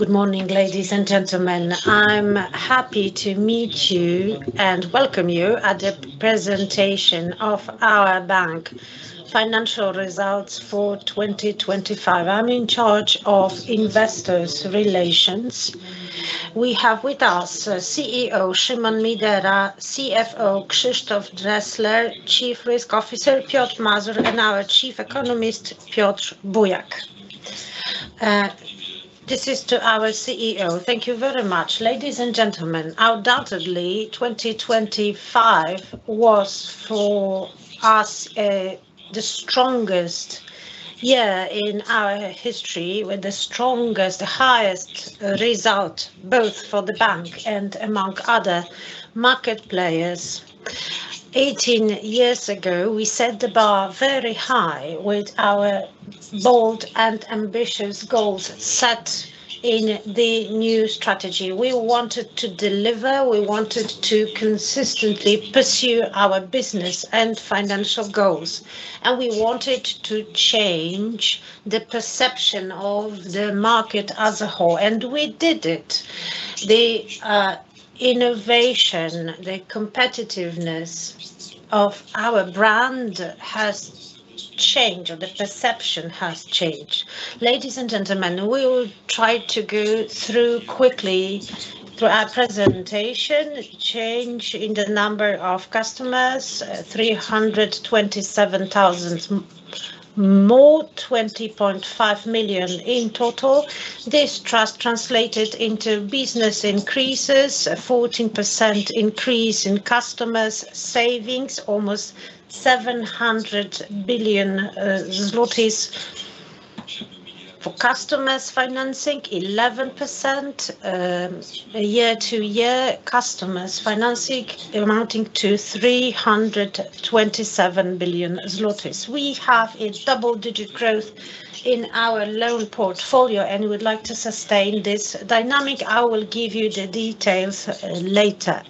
Good morning, ladies and gentlemen. I'm happy to meet you and welcome you at the presentation of our bank financial results for 2025. I'm in charge of Investor Relations. We have with us CEO Szymon Midera, CFO Krzysztof Dresler, Chief Risk Officer Piotr Mazur, and our Chief Economist Piotr Bujak. This is to our CEO. Thank you very much. Ladies and gentlemen, undoubtedly, 2025 was for us the strongest year in our history with the strongest, highest result, both for the bank and among other market players. 18 years ago, we set the bar very high with our bold and ambitious goals set in the new strategy. We wanted to deliver, we wanted to consistently pursue our business and financial goals, and we wanted to change the perception of the market as a whole, and we did it. The innovation, the competitiveness of our brand has changed, or the perception has changed. Ladies and gentlemen, we will try to go through quickly our presentation. Change in the number of customers, 327,000 more, 20.5 million in total. This trust translated into business increases. A 14% increase in customers' savings, almost PLN 700 billion. For customers financing, 11% year-over-year customers financing amounting to 327 billion zlotys. We have a double-digit growth in our loan portfolio and would like to sustain this dynamic. I will give you the details later.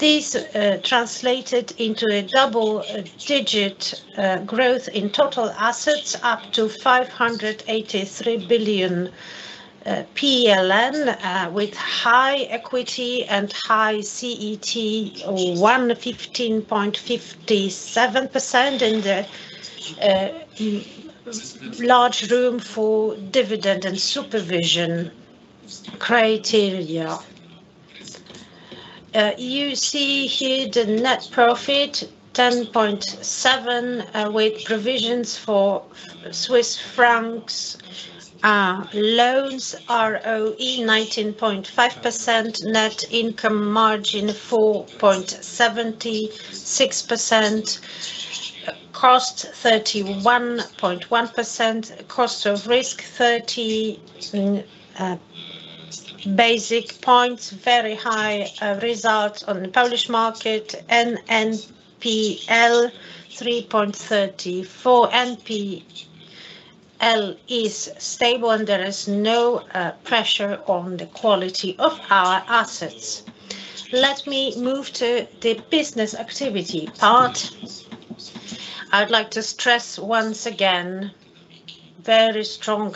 This translated into a double-digit growth in total assets, up to 583 billion PLN, with high equity and high CET1, 15.57%, and large room for dividend and supervision criteria. You see here the net profit, 10.7, with provisions for Swiss francs loans, ROE 19.5%, net interest margin 4.76%, cost 31.1%, cost of risk 30 basis points. Very high results on the Polish market. NPL 3.34%. NPL is stable, and there is no pressure on the quality of our assets. Let me move to the business activity part. I would like to stress once again, very strong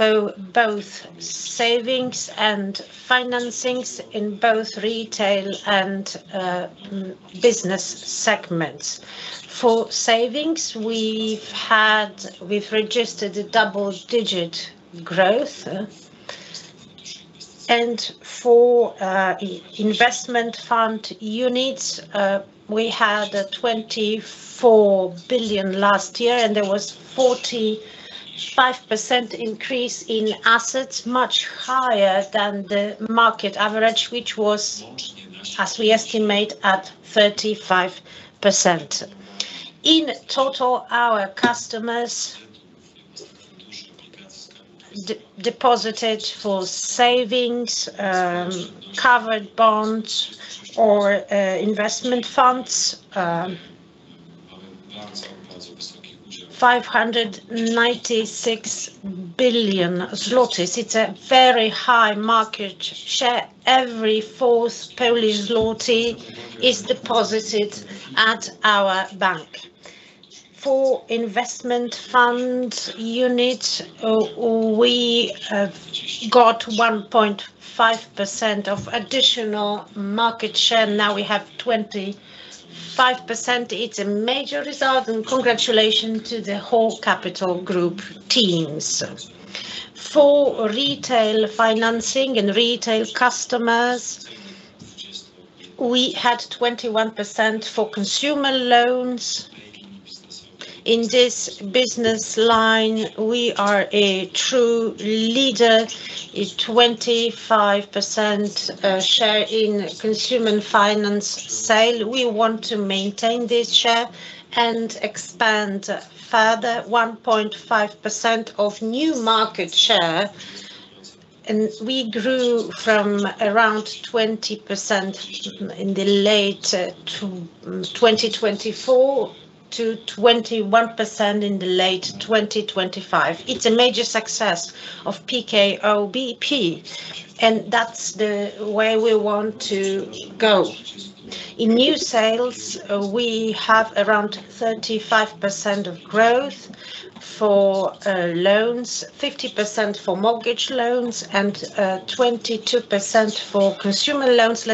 growth for both savings and financings in both retail and business segments. For savings, we've registered a double-digit growth. For investment fund units, we had 24 billion last year, and there was 45% increase in assets, much higher than the market average, which was, as we estimate, at 35%. In total, our customers deposited for savings, covered bonds or investment funds, 596 billion zlotys. It's a very high market share. Every fourth Polish zloty is deposited at our bank. For investment fund units, we have got 1.5% of additional market share. Now we have 25%. It's a major result, and congratulations to the whole capital group teams. For retail financing and retail customers, we had 21% for consumer loans. In this business line, we are a true leader. A 25% share in consumer finance sale. We want to maintain this share and expand further. 1.5% of new market share, and we grew from around 20% in the late 2024 to 21% in the late 2025. It's a major success of PKO BP, and that's the way we want to go. In new sales, we have around 35% growth for loans, 50% for mortgage loans, and 22% for consumer loans.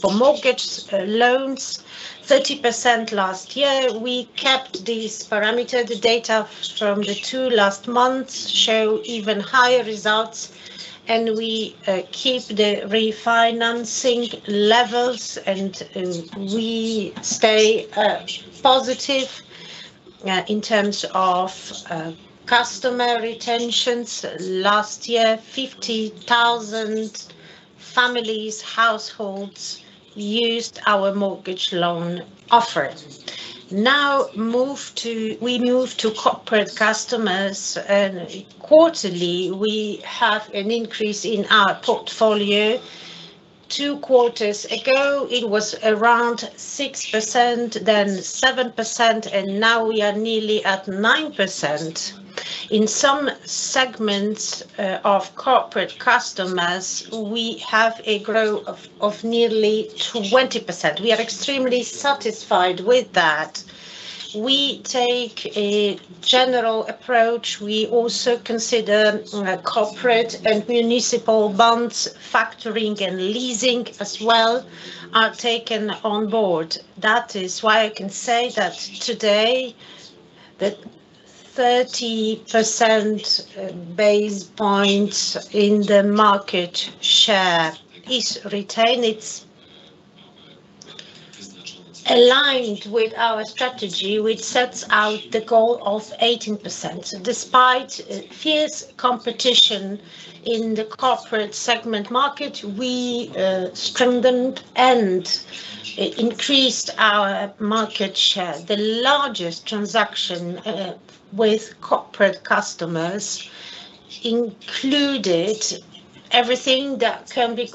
For mortgage loans, 30% last year. We kept these parameter. The data from the two last months show even higher results, and we keep the refinancing levels, and we stay positive. In terms of customer retentions, last year 50,000 families, households used our mortgage loan offer. We move to corporate customers. Quarterly, we have an increase in our portfolio. Two quarters ago, it was around 6%, then 7%, and now we are nearly at 9%. In some segments of corporate customers, we have a growth of nearly 20%. We are extremely satisfied with that. We take a general approach. We also consider corporate and municipal bonds. Factoring and leasing as well are taken on board. That is why I can say that today the 30 percentage points in the market share is retained. It's aligned with our strategy, which sets out the goal of 18%. Despite fierce competition in the corporate segment market, we strengthened and increased our market share. The largest transaction with corporate customers included everything that can be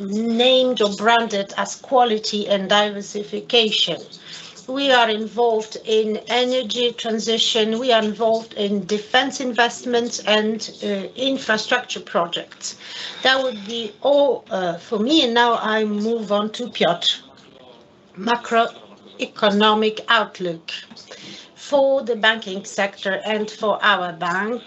named or branded as quality and diversification. We are involved in energy transition. We are involved in defense investments and infrastructure projects. That would be all for me. Now I move on to Piotr. Macroeconomic outlook for the banking sector and for our bank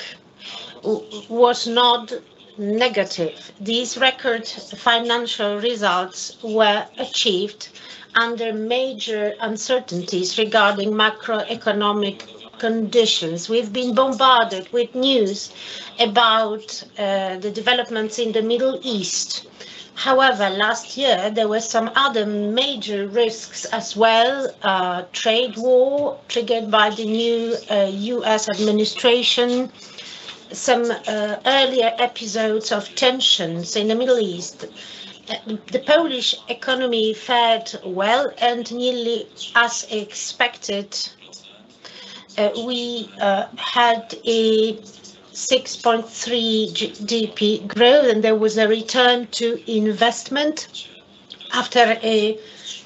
was not negative. These record financial results were achieved under major uncertainties regarding macroeconomic conditions. We've been bombarded with news about the developments in the Middle East. However, last year there were some other major risks as well. Trade war triggered by the new U.S. administration, some earlier episodes of tensions in the Middle East. The Polish economy fared well and nearly as expected. We had a 6.3% GDP growth, and there was a return to investment. After a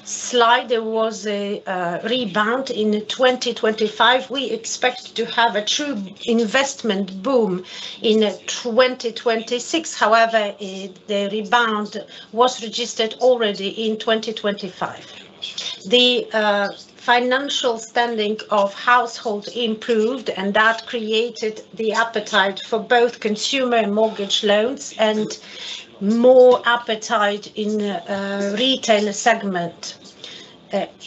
slide, there was a rebound in 2025. We expect to have a true investment boom in 2026. However, the rebound was registered already in 2025. The financial standing of households improved, and that created the appetite for both consumer and mortgage loans and more appetite in the retail segment. Due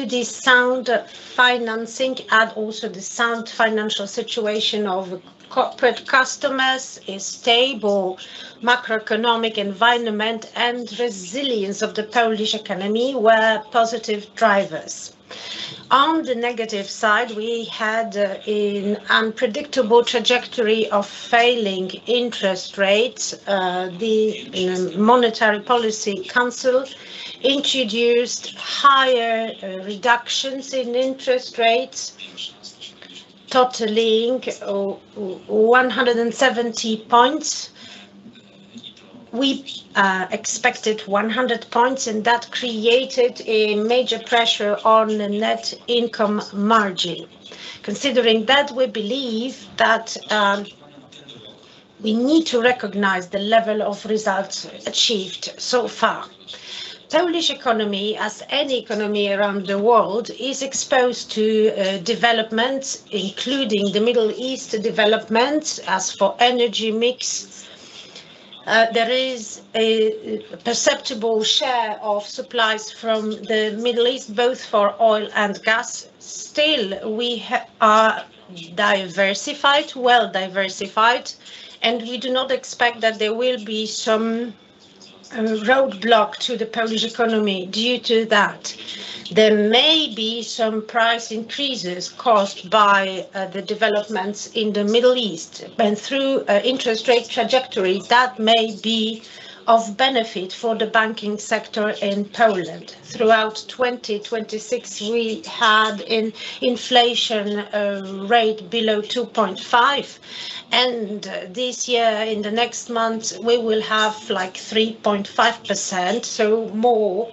to the sound financing and also the sound financial situation of corporate customers, a stable macroeconomic environment, and resilience of the Polish economy were positive drivers. On the negative side, we had an unpredictable trajectory of falling interest rates. The Monetary Policy Council introduced higher reductions in interest rates totaling 170 points. We expected 100 points, and that created a major pressure on the net interest margin. Considering that, we believe that we need to recognize the level of results achieved so far. Polish economy, as any economy around the world, is exposed to developments, including the Middle East developments. As for energy mix, there is a perceptible share of supplies from the Middle East, both for oil and gas. Still, we are diversified, well diversified, and we do not expect that there will be some roadblock to the Polish economy due to that. There may be some price increases caused by the developments in the Middle East. Through interest rate trajectory, that may be of benefit for the banking sector in Poland. Throughout 2026, we had inflation rate below 2.5. This year, in the next months, we will have, like, 3.5%, so more.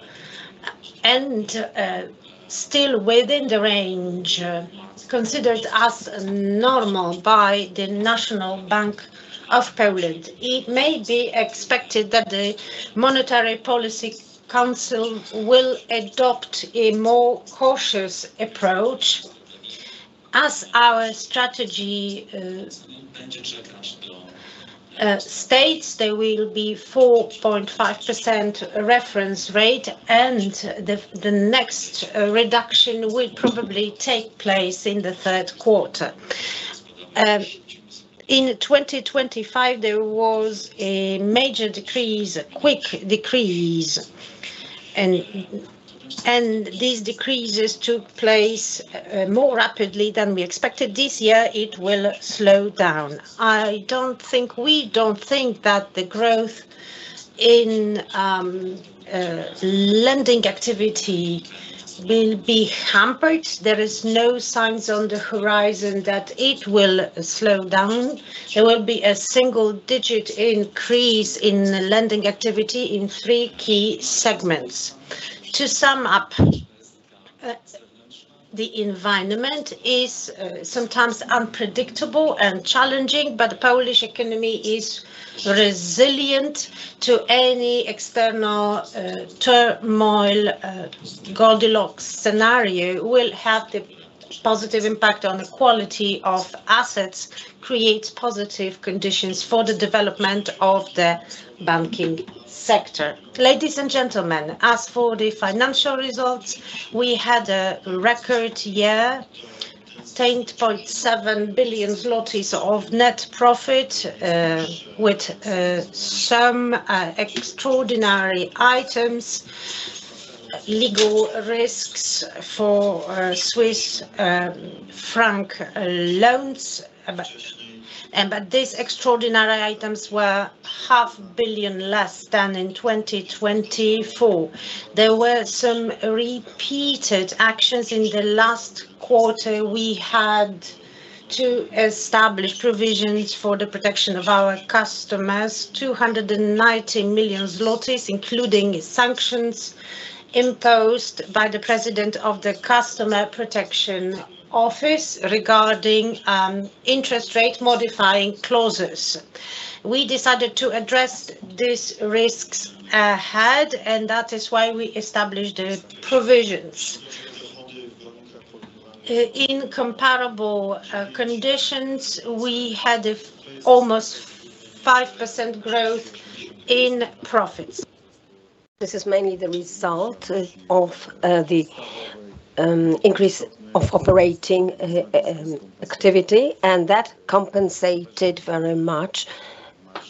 Still within the range considered as normal by the National Bank of Poland. It may be expected that the Monetary Policy Council will adopt a more cautious approach. As our strategy states, there will be 4.5% reference rate, and the next reduction will probably take place in the third quarter. In 2025, there was a major decrease, a quick decrease. These decreases took place more rapidly than we expected. This year it will slow down. We don't think that the growth in lending activity will be hampered. There is no signs on the horizon that it will slow down. There will be a single-digit increase in lending activity in three key segments. To sum up, the environment is sometimes unpredictable and challenging, but the Polish economy is resilient to any external turmoil. Goldilocks scenario will have the positive impact on the quality of assets, creates positive conditions for the development of the banking sector. Ladies and gentlemen, as for the financial results, we had a record year. 10.7 billion zlotys of net profit, with some extraordinary items, legal risks for Swiss franc loans. These extraordinary items were PLN half billion less than in 2024. There were some repeated actions. In the last quarter, we had to establish provisions for the protection of our customers. 290 million zlotys, including sanctions imposed by the president of the Office of Competition and Consumer Protection regarding interest rate modifying clauses. We decided to address these risks head on, and that is why we established the provisions. In comparable conditions, we had almost 5% growth in profits. This is mainly the result of the increase of operating activity, and that compensated very much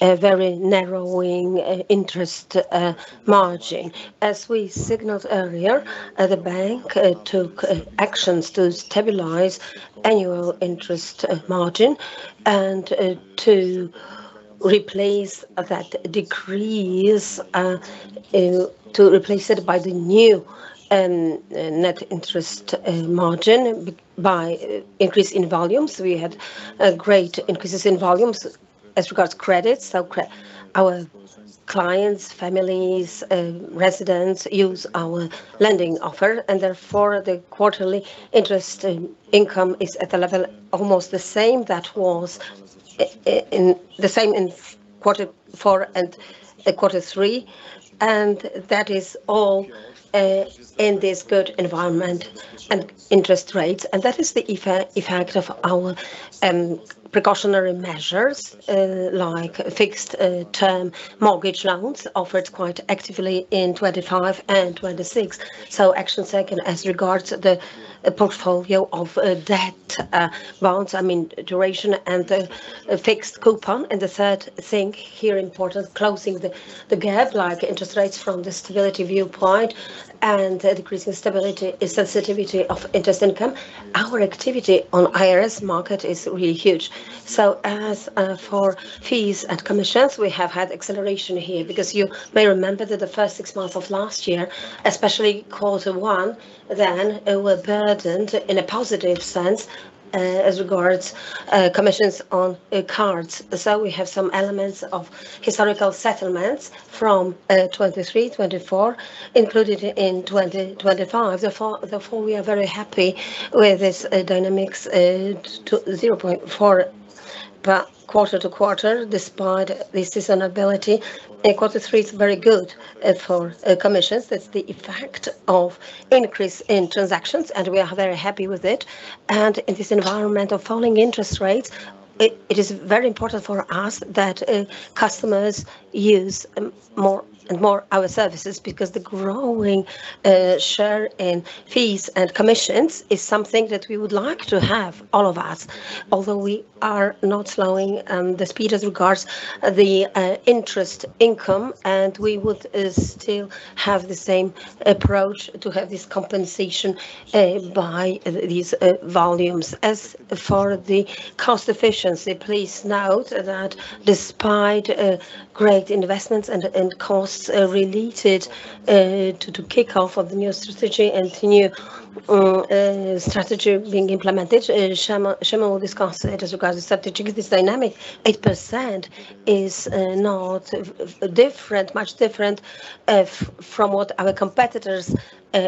a very narrowing interest margin. As we signaled earlier, the bank took actions to stabilize annual interest margin and to replace that decrease to replace it by the new net interest margin by increase in volumes. We had great increases in volumes as regards credits. Our clients, families, residents use our lending offer and therefore the quarterly interest income is at a level almost the same that was in the fourth quarter and quarter three. That is all in this good environment and interest rates. That is the effect of our precautionary measures, like fixed-term mortgage loans offered quite actively in 2025 and 2026. Action taken as regards the portfolio of debt loans, I mean duration and the fixed coupon. The third thing here important, closing the gap, like interest rates from the stability viewpoint and decreasing stability sensitivity of interest income. Our activity on IRS market is really huge. As for fees and commissions, we have had acceleration here. Because you may remember that the first six months of last year, especially quarter one, then were burdened in a positive sense, as regards commissions on cards. We have some elements of historical settlements from 2023, 2024, included in 2025. Therefore, we are very happy with this dynamics to 0.4%, but quarter-over-quarter, despite the seasonality. Quarter three is very good for commissions. That's the effect of increase in transactions, and we are very happy with it. In this environment of falling interest rates, it is very important for us that customers use more and more our services. Because the growing share in fees and commissions is something that we would like to have, all of us. Although we are not slowing the speed as regards the interest income, and we would still have the same approach to have this compensation by these volumes. As for the cost efficiency, please note that despite great investments and costs related to kick off of the new strategy and the new strategy being implemented, Szymon Midera will discuss it as regards the strategy. This dynamic, 8% is not much different from what our competitors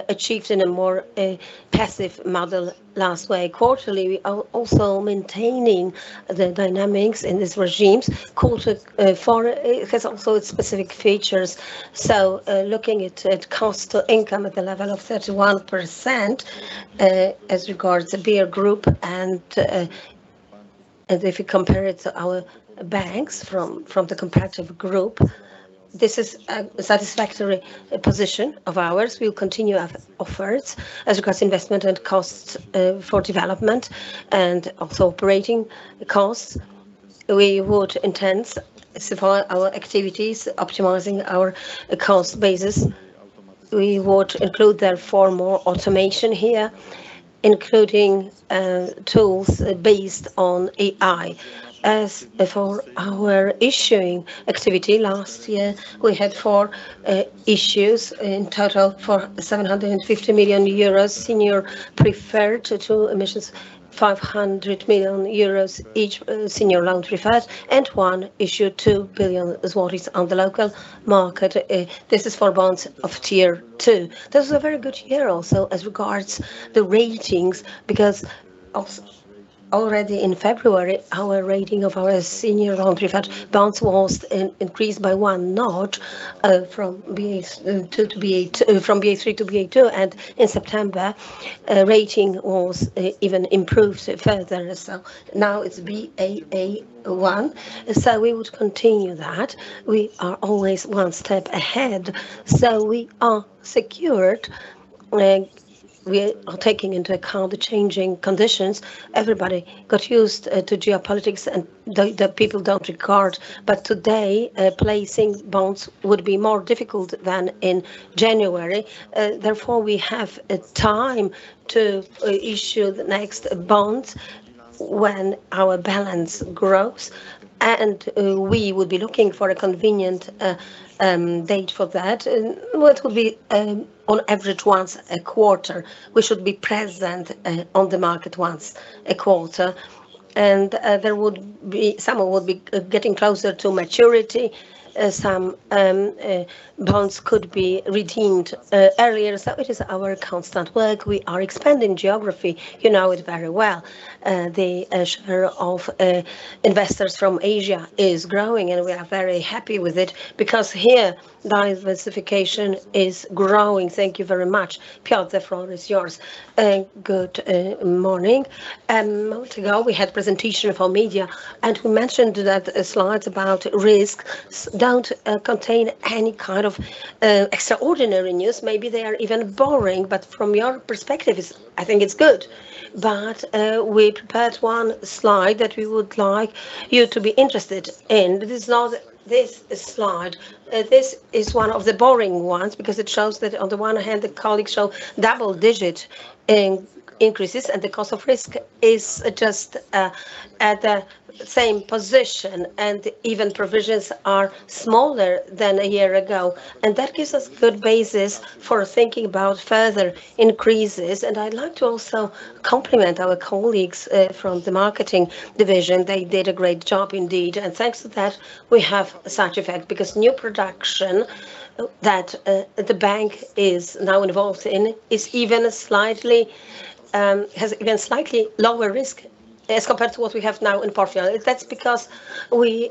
achieved in a more passive model last year. Quarterly, we are also maintaining the dynamics in these regimes. Quarter four has also specific features. Looking at cost to income at the level of 31%, as regards the peer group and if you compare it to our banks from the competitive group, this is a satisfactory position of ours. We will continue our efforts as regards investment and costs for development and also operating costs. We would intensify support our activities, optimizing our cost basis. We would include therefore more automation here, including tools based on AI. As for our issuing activity, last year we had 4 issues in total for 750 million euros, senior preferred: two emissions, 500 million euros each, senior non-preferred, and one issue of 2 billion on the local market. This is for bonds of Tier two. This is a very good year also as regards the ratings because already in February, our rating of our senior non-preferred bonds was increased by one notch, from Baa3 to Baa2, and in September, rating was even improved further, so now it's Baa1. We would continue that. We are always one step ahead, so we are secured. We are taking into account the changing conditions. Everybody got used to geopolitics and the people don't regard. Today, placing bonds would be more difficult than in January. Therefore we have a time to issue the next bonds when our balance grows, and we will be looking for a convenient date for that, and well, it will be on average once a quarter. We should be present on the market once a quarter. There would be. Some will be getting closer to maturity. Some bonds could be redeemed earlier, so it is our constant work. We are expanding geography. You know it very well. The share of investors from Asia is growing, and we are very happy with it because here diversification is growing. Thank you very much. Piotr Mazur is yours. Good morning. A moment ago we had a presentation for media, and we mentioned that slides about risk don't contain any kind of extraordinary news. Maybe they are even boring, but from your perspective, I think it's good. We prepared one slide that we would like you to be interested in. It's not this slide. This is one of the boring ones because it shows that on the one hand, the colleagues show double-digit increases, and the cost of risk is just at the same position, and even provisions are smaller than a year ago. That gives us good basis for thinking about further increases. I'd like to also compliment our colleagues from the marketing division. They did a great job indeed. Thanks to that, we have such effect because new production that the bank is now involved in has even slightly lower risk as compared to what we have now in portfolio. That's because we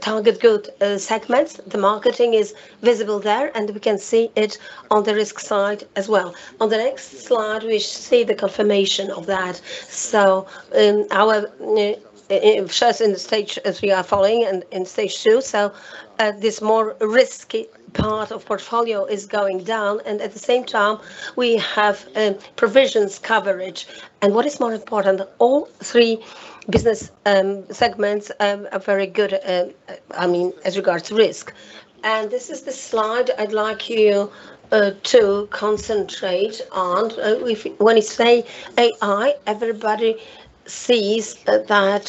target good segments. The marketing is visible there, and we can see it on the risk side as well. On the next slide, we see the confirmation of that. It shows in the stages as we are following in stage two, so this more risky part of portfolio is going down, and at the same time, we have provisions coverage. What is more important, all three business segments are very good, I mean, as regards to risk. This is the slide I'd like you to concentrate on. When you say AI, everybody sees that.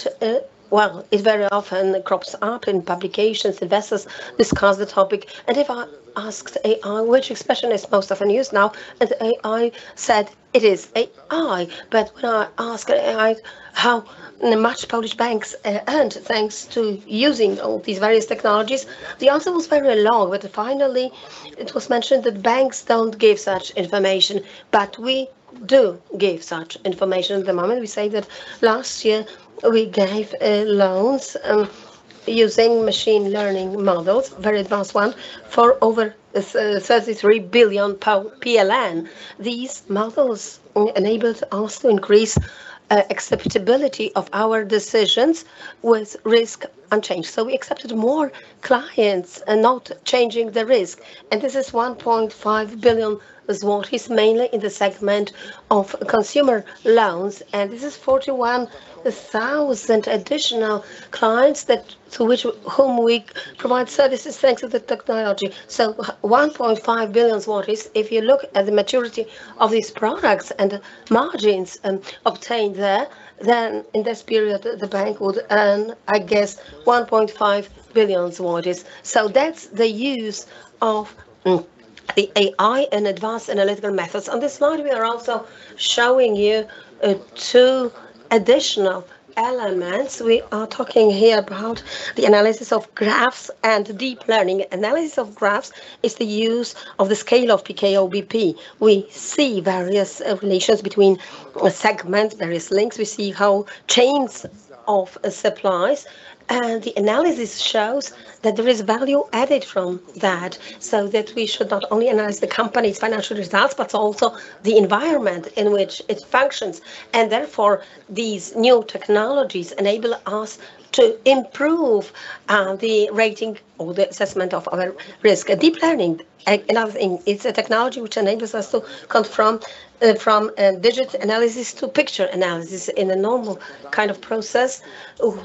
Well, it very often crops up in publications. Investors discuss the topic. If I asked AI which expression is most often used now, and AI said it is AI. When I ask AI how much Polish banks earned thanks to using all these various technologies, the answer was very long. Finally, it was mentioned that banks don't give such information, but we do give such information at the moment. We say that last year we gave loans using machine learning models, very advanced one, for over 33 billion PLN. These models enabled us to increase acceptability of our decisions with risk unchanged. We accepted more clients and not changing the risk. This is 1.5 billion, mainly in the segment of consumer loans. This is 41,000 additional clients that, to which, whom we provide services thanks to the technology. 1.5 billion zlotys. If you look at the maturity of these products and margins obtained there, then in this period the bank would earn, I guess, 1.5 billion zlotys. That's the use of AI and advanced analytical methods. On this slide, we are also showing you two additional elements. We are talking here about the analysis of graphs and deep learning. Analysis of graphs is the use of the scale of PKO BP. We see various relations between a segment, various links. We see how chains of supplies. The analysis shows that there is value added from that, so that we should not only analyze the company's financial results, but also the environment in which it functions. Therefore, these new technologies enable us to improve the rating or the assessment of our risk. Deep learning, another thing, it's a technology which enables us to go from digit analysis to picture analysis. In a normal kind of process,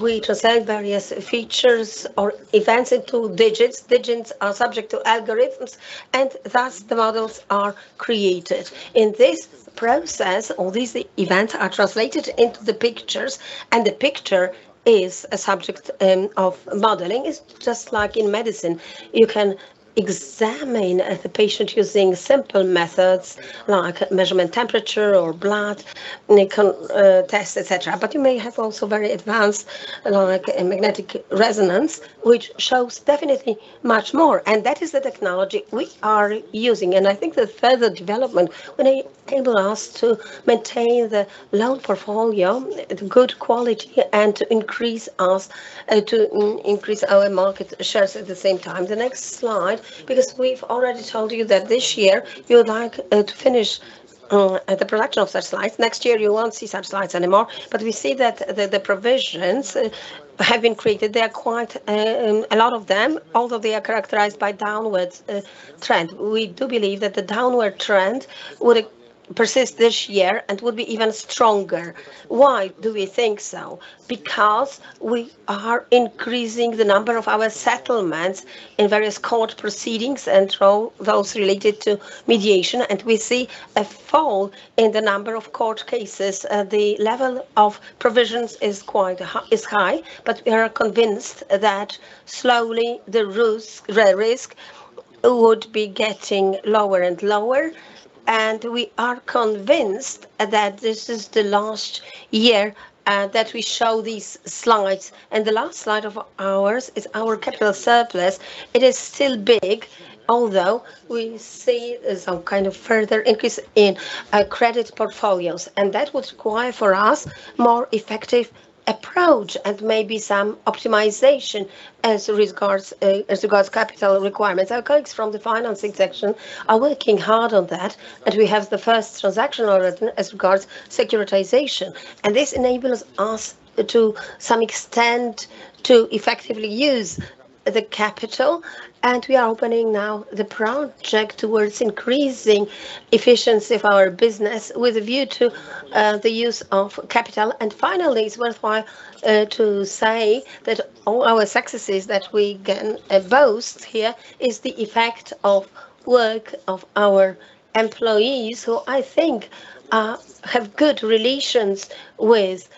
we translate various features or events into digits. Digits are subject to algorithms, and thus the models are created. In this process, all these events are translated into the pictures, and the picture is a subject of modeling. It's just like in medicine. You can examine the patient using simple methods like measuring temperature or blood, and it can test, et cetera. You may also have very advanced, like a magnetic resonance, which shows definitely much more. That is the technology we are using. I think the further development will enable us to maintain the loan portfolio, the good quality, and to increase our market shares at the same time. The next slide, because we've already told you that this year we would like to finish the production of such slides. Next year, you won't see such slides anymore. We see that the provisions have been created. There are quite a lot of them, although they are characterized by downward trend. We do believe that the downward trend would persist this year and would be even stronger. Why do we think so? Because we are increasing the number of our settlements in various court proceedings and through those related to mediation, and we see a fall in the number of court cases. The level of provisions is quite high, but we are convinced that slowly the risk would be getting lower and lower. We are convinced that this is the last year that we show these slides. The last slide of ours is our capital surplus. It is still big, although we see some kind of further increase in credit portfolios, and that would require for us more effective approach and maybe some optimization as regards capital requirements. Our colleagues from the financing section are working hard on that, and we have the first transaction already as regards securitization. This enables us to some extent to effectively use the capital. We are opening now the project towards increasing efficiency of our business with a view to the use of capital. Finally, it's worthwhile to say that all our successes that we can boast here is the effect of work of our employees, who I think have good relations with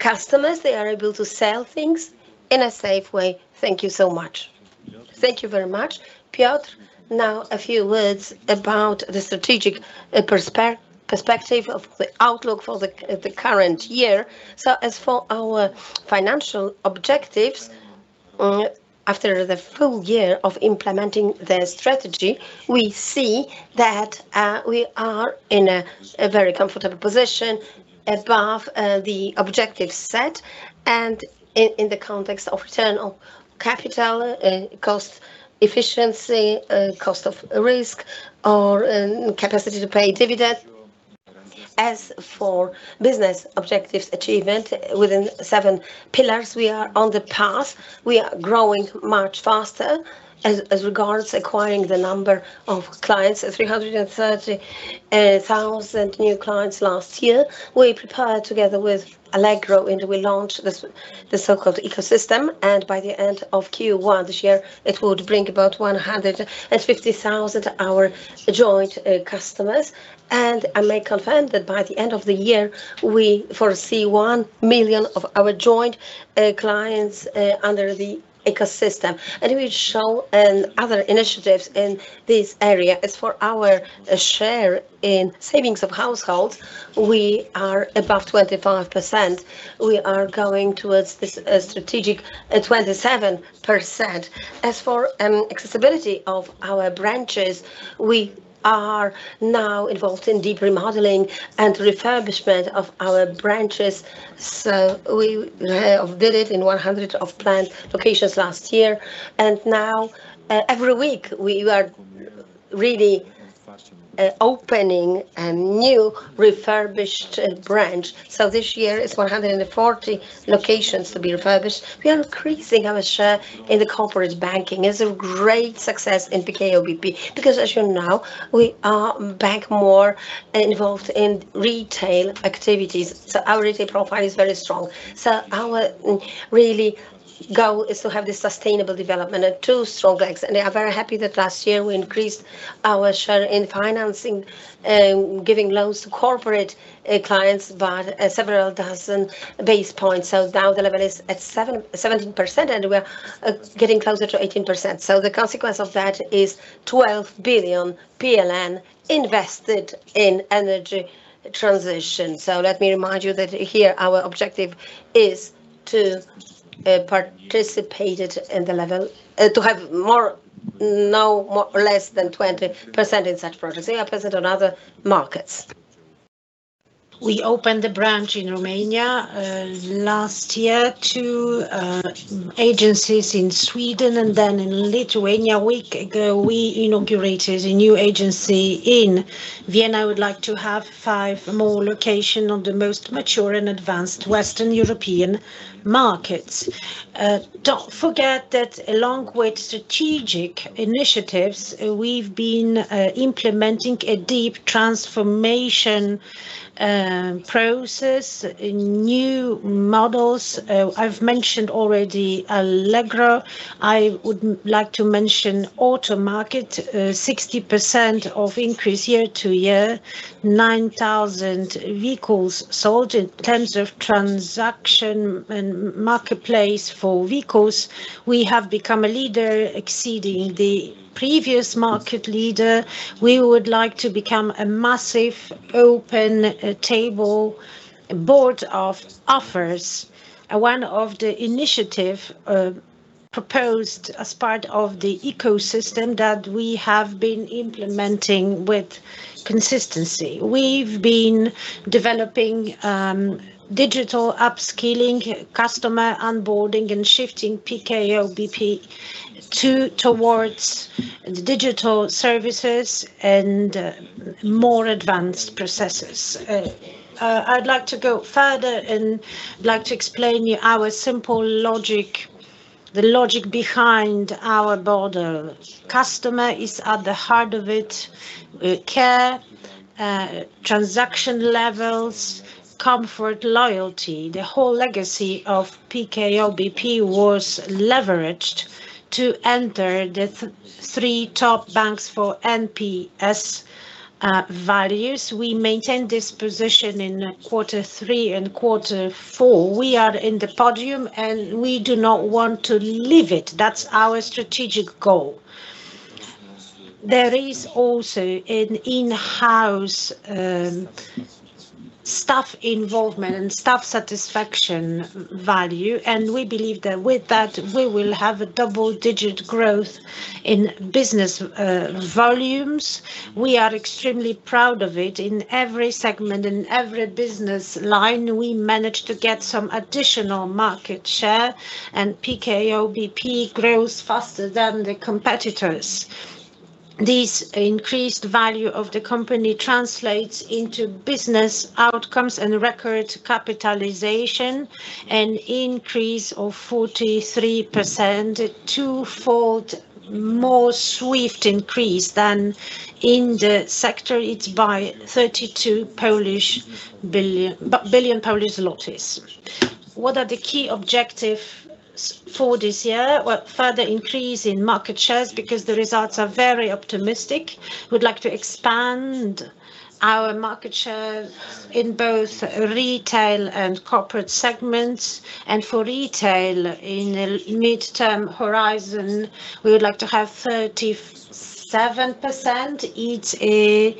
customers. They are able to sell things in a safe way. Thank you so much. Thank you very much. Piotr, now a few words about the strategic perspective of the outlook for the current year. As for our financial objectives, after the full year of implementing the strategy, we see that we are in a very comfortable position above the objectives set and in the context of return of capital, cost efficiency, cost of risk or capacity to pay dividend. As for business objectives achievement within seven pillars, we are on the path. We are growing much faster as regards acquiring the number of clients, 330,000 new clients last year. We prepare together with Allegro, and we launch this, the so-called ecosystem, and by the end of Q1 this year it would bring about 150,000 our joint customers. I may confirm that by the end of the year, we foresee 1 million of our joint clients under the ecosystem. We show other initiatives in this area. As for our share in savings of households, we are above 25%. We are going towards this strategic 27%. As for accessibility of our branches, we are now involved in deep remodeling and refurbishment of our branches. We have did it in 100 of planned locations last year, and now, every week we are really, opening a new refurbished branch. This year is 140 locations to be refurbished. We are increasing our share in the corporate banking. It's a great success in PKO BP because as you know, we are bank more involved in retail activities. Our retail profile is very strong. Our really goal is to have this sustainable development on two strong legs. We are very happy that last year we increased our share in financing, giving loans to corporate, clients by, several dozen basis points. Now the level is at 7.17%, and we are, getting closer to 18%. The consequence of that is 12 billion PLN invested in energy transition. Let me remind you that here our objective is to participate at the level to have more. Now, more or less than 20% in such products. They are present on other markets. We opened a branch in Romania last year, two agencies in Sweden, and then in Lithuania a week ago we inaugurated a new agency in Vienna. We would like to have five more locations on the most mature and advanced western European markets. Don't forget that along with strategic initiatives, we've been implementing a deep transformation process in new models. I've mentioned already Allegro. I would like to mention Automarket, 60% increase year-to-year, 9,000 vehicles sold. In terms of transaction and marketplace for vehicles, we have become a leader exceeding the previous market leader. We would like to become a massive open marketplace board of offers. One of the initiatives proposed as part of the ecosystem that we have been implementing with consistency. We've been developing digital upskilling, customer onboarding, and shifting PKO BP towards digital services and more advanced processes. I'd like to go further and like to explain to you our simple logic, the logic behind our broader. Customer is at the heart of it. Care, transaction levels, comfort, loyalty, the whole legacy of PKO BP was leveraged to enter the three top banks for NPS values. We maintain this position in quarter three and quarter four. We are in the podium, and we do not want to leave it. That's our strategic goal. There is also an in-house staff involvement and staff satisfaction value, and we believe that with that, we will have a double-digit growth in business volumes. We are extremely proud of it. In every segment, in every business line, we managed to get some additional market share, and PKO BP grows faster than the competitors. This increased value of the company translates into business outcomes and record capitalization, an increase of 43%, two-fold more swift increase than in the sector. It's by 32 billion. What are the key objectives for this year? Well, further increase in market shares because the results are very optimistic. We'd like to expand our market share in both retail and corporate segments. For retail, in the midterm horizon, we would like to have 37%. It's a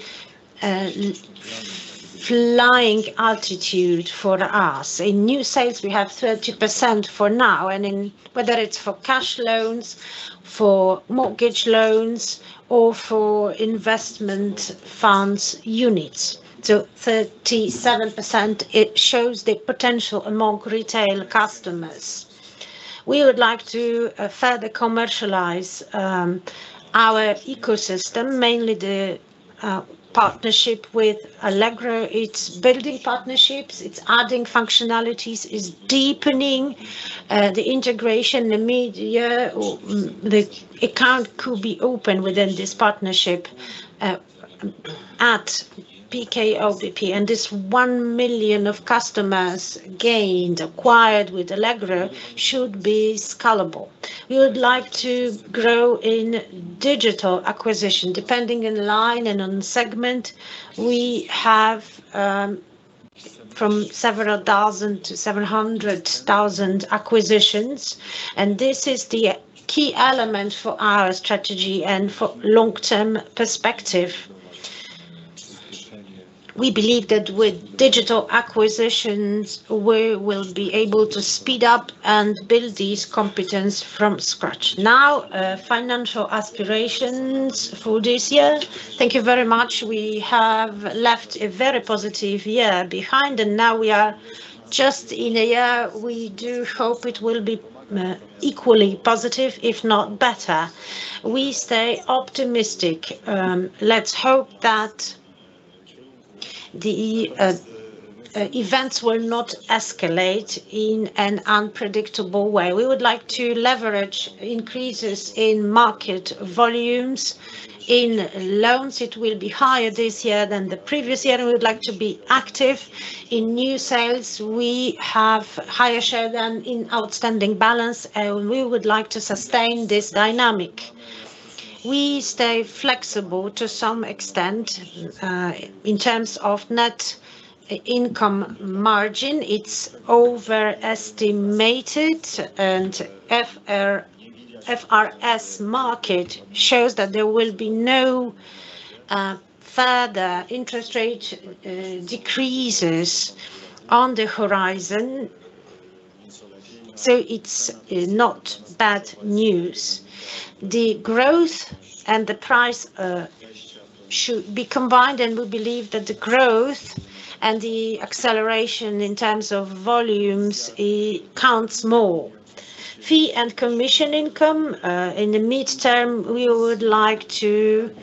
flying altitude for us. In new sales, we have 30% for now, and whether it's for cash loans, for mortgage loans, or for investment funds units. So 37%, it shows the potential among retail customers. We would like to further commercialize our ecosystem, mainly the partnership with Allegro. It's building partnerships, it's adding functionalities, it's deepening the integration, the account could be opened within this partnership at PKO BP. This 1 million of customers gained, acquired with Allegro, should be scalable. We would like to grow in digital acquisition. Depending on line and on segment, we have from several thousand to 700,000 acquisitions, and this is the key element for our strategy and for long-term perspective. We believe that with digital acquisitions, we will be able to speed up and build these competence from scratch. Now, financial aspirations for this year. Thank you very much. We have left a very positive year behind, and now we are just in a year we do hope it will be equally positive, if not better. We stay optimistic. Let's hope that the events will not escalate in an unpredictable way. We would like to leverage increases in market volumes. In loans, it will be higher this year than the previous year, and we would like to be active. In new sales, we have higher share than in outstanding balance, and we would like to sustain this dynamic. We stay flexible to some extent in terms of net interest margin. It's overestimated, and FRA-IRS market shows that there will be no further interest rate decreases on the horizon. It's not bad news. The growth and the price should be combined, and we believe that the growth and the acceleration in terms of volumes, it counts more. Fee and commission income in the medium term, we would like to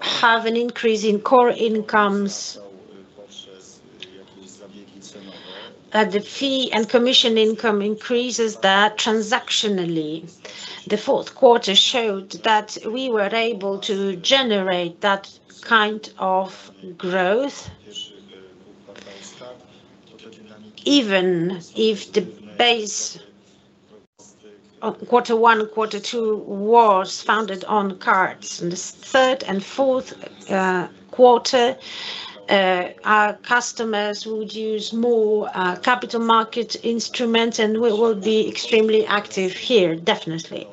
have an increase in core incomes. The fee and commission income increases that transactionally. The fourth quarter showed that we were able to generate that kind of growth even if the base of quarter one, quarter two was founded on cards. In the third and fourth quarter, our customers would use more capital market instruments, and we will be extremely active here, definitely.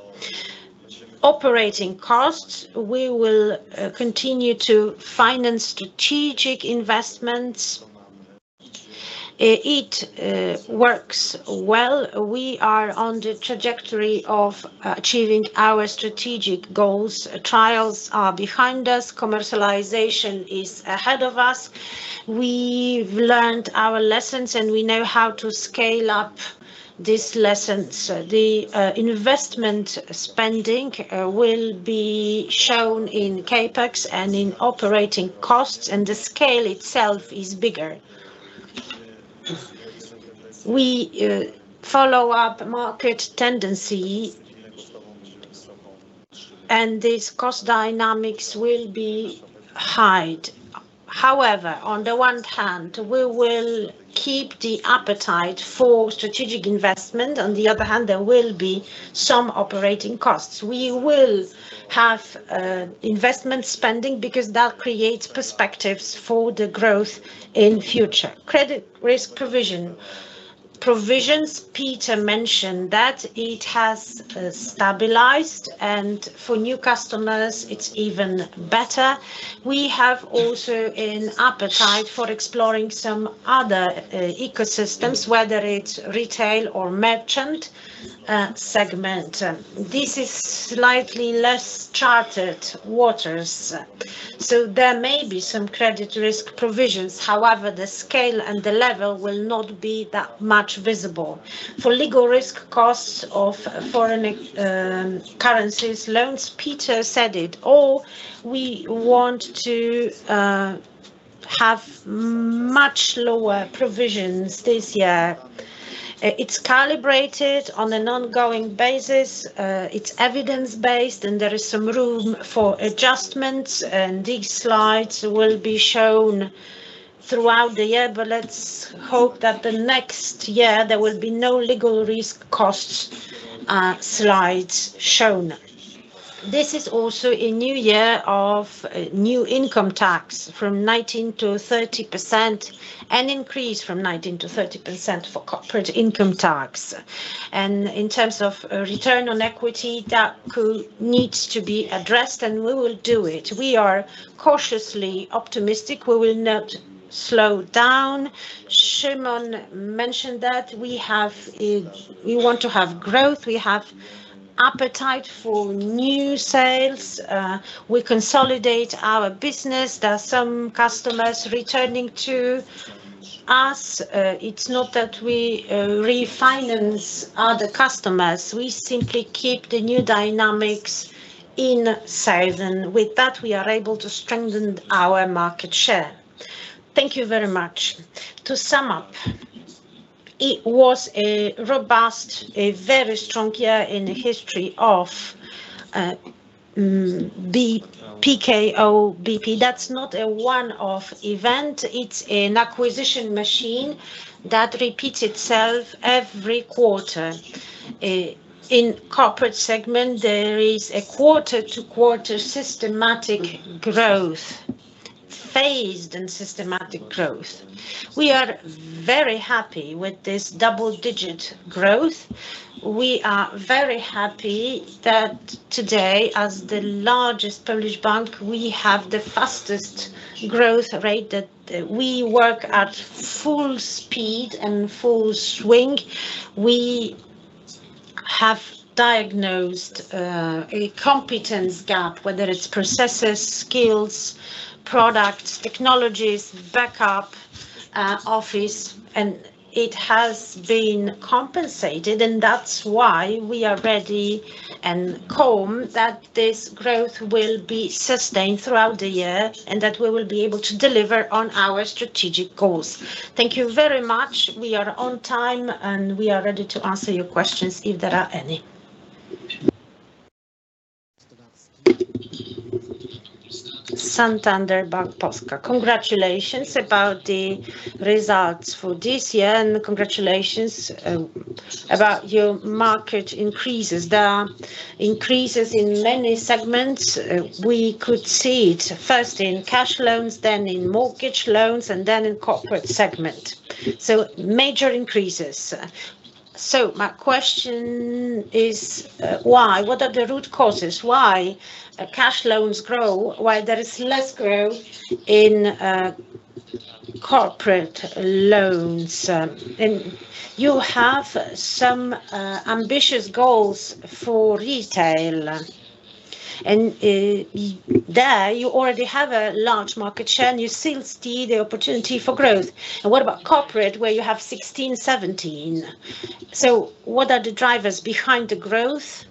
Operating costs, we will continue to finance strategic investments. It works well. We are on the trajectory of achieving our strategic goals. Trials are behind us. Commercialization is ahead of us. We've learned our lessons, and we know how to scale up these lessons. The investment spending will be shown in CapEx and in operating costs, and the scale itself is bigger. We follow up market tendency, and these cost dynamics will be high. However, on the one hand, we will keep the appetite for strategic investment. On the other hand, there will be some operating costs. We will have investment spending because that creates perspectives for the growth in future. Credit risk provision. Provisions, Piotr mentioned that it has stabilized, and for new customers, it's even better. We have also an appetite for exploring some other ecosystems, whether it's retail or merchant segment. This is slightly less charted waters, so there may be some credit risk provisions. However, the scale and the level will not be that much visible. For legal risk costs of foreign currency loans, Piotr said it all. We want to have much lower provisions this year. It's calibrated on an ongoing basis. It's evidence-based, and there is some room for adjustments, and these slides will be shown throughout the year. Let's hope that the next year there will be no legal risk costs, slides shown. This is also a new year of new income tax, from 19% - 30%, an increase from 19% - 30% for corporate income tax. In terms of return on equity, that ROE needs to be addressed, and we will do it. We are cautiously optimistic. We will not slow down. Szymon mentioned that. We have. We want to have growth. We have appetite for new sales. We consolidate our business. There are some customers returning to us. It's not that we refinance other customers. We simply keep the new dynamics in sales, and with that, we are able to strengthen our market share. Thank you very much. To sum up, it was a robust, a very strong year in the history of the PKO BP. That's not a one-off event. It's an acquisition machine that repeats itself every quarter. In corporate segment, there is a quarter-to-quarter systematic growth, phased and systematic growth. We are very happy with this double-digit growth. We are very happy that today, as the largest Polish bank, we have the fastest growth rate, that we work at full speed and full swing. We have diagnosed a competence gap, whether it's processes, skills, products, technologies, back office, and it has been compensated, and that's why we are ready and calm that this growth will be sustained throughout the year and that we will be able to deliver on our strategic goals. Thank you very much. We are on time, and we are ready to answer your questions if there are any. Santander Bank Polska, congratulations about the results for this year, and congratulations about your market increases. There are increases in many segments. We could see it first in cash loans, then in mortgage loans, and then in corporate segment, so major increases. My question is, why? What are the root causes? Why are cash loans growing, why there is less growth in corporate loans? You have some ambitious goals for retail. There, you already have a large market share, and you still see the opportunity for growth. What about corporate, where you have 16%-17%? What are the drivers behind the growth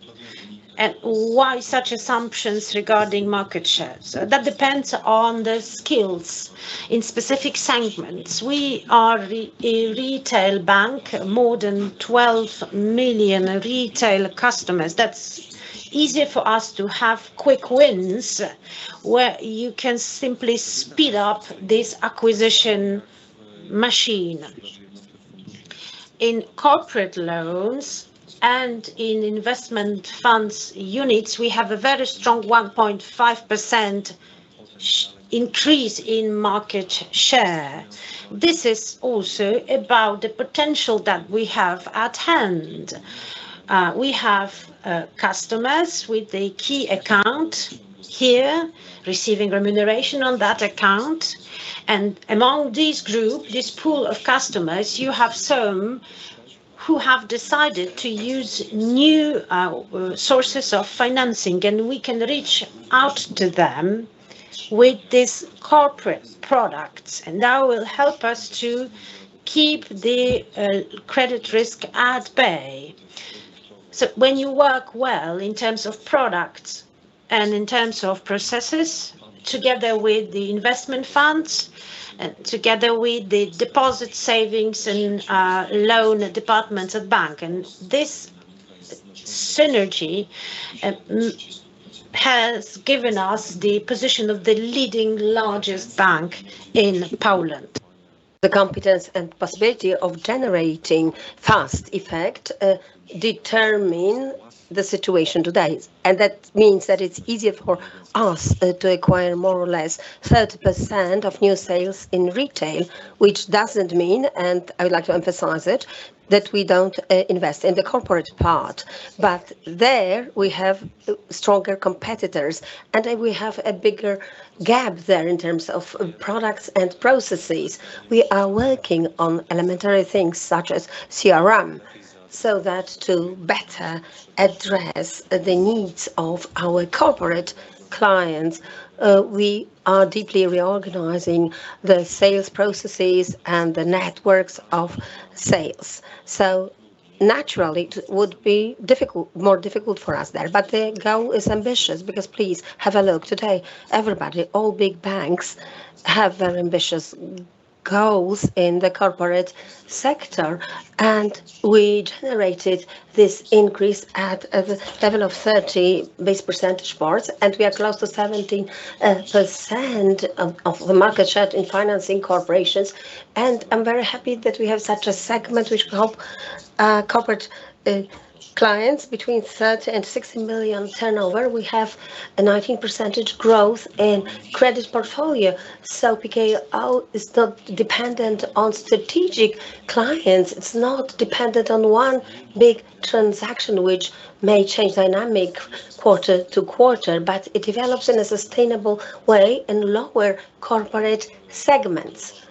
and why such assumptions regarding market share? That depends on the skills in specific segments. We are a retail bank, more than 12 million retail customers. That's easier for us to have quick wins where you can simply speed up this acquisition machine. In corporate loans and in investment funds units, we have a very strong 1.5% share increase. This is also about the potential that we have at hand. We have customers with a key account here receiving remuneration on that account. Among this group, this pool of customers, you have some who have decided to use new sources of financing, and we can reach out to them with these corporate products, and that will help us to keep the credit risk at bay. When you work well in terms of products and in terms of processes, together with the investment funds and together with the deposit savings and loan departments of bank, and this synergy has given us the position of the leading largest bank in Poland. The competence and possibility of generating fast effect determine the situation today. That means that it's easier for us to acquire more or less 30% of new sales in retail, which doesn't mean, and I would like to emphasize it, that we don't invest in the corporate part. There we have stronger competitors, and we have a bigger gap there in terms of products and processes. We are working on elementary things such as CRM, so that to better address the needs of our corporate clients. We are deeply reorganizing the sales processes and the networks of sales. Naturally it would be difficult, more difficult for us there. The goal is ambitious because please have a look today, everybody, all big banks have very ambitious goals in the corporate sector. We generated this increase at a level of 30 basis points, and we are close to 17% of the market share in financing corporations. I'm very happy that we have such a segment which help corporate clients between 30 million and 60 million turnover. We have a 19% growth in credit portfolio. PKO is not dependent on strategic clients. It's not dependent on one big transaction which may change dynamic quarter to quarter, but it develops in a sustainable way in lower corporate segments.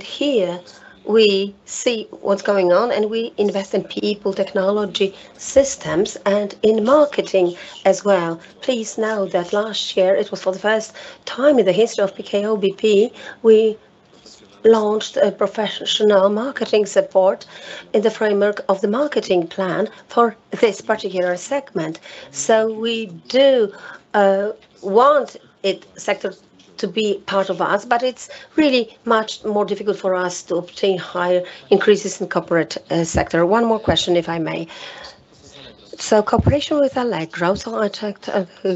Here we see what's going on, and we invest in people, technology, systems and in marketing as well. Please know that last year it was for the first time in the history of PKO BP we launched a professional marketing support in the framework of the marketing plan for this particular segment. We do want this sector to be part of us, but it's really much more difficult for us to obtain higher increases in corporate sector. One more question, if I may. Cooperation with Allegro. I checked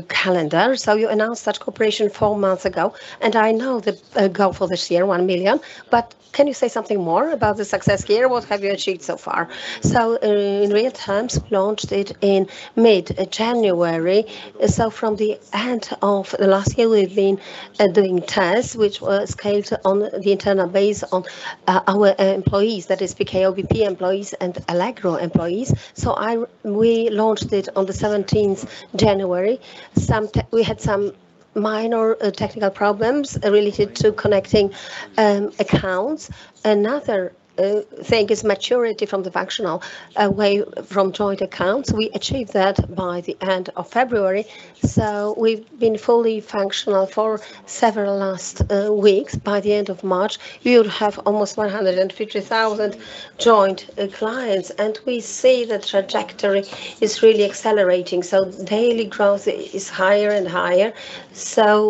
calendar. You announced that cooperation four months ago, and I know the goal for this year, 1 million, but can you say something more about the success here? What have you achieved so far? In real terms, we launched it in mid-January. From the end of the last year, we've been doing tests which were scaled on the internal base on our employees, that is PKO BP employees and Allegro employees. We launched it on the seventeenth January. We had some minor technical problems related to connecting accounts. Another thing is maturity from the functional way from joint accounts. We achieved that by the end of February, so we've been fully functional for several last weeks. By the end of March, we will have almost 150,000 joint clients, and we see the trajectory is really accelerating, so daily growth is higher and higher.